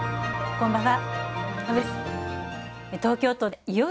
こんばんは。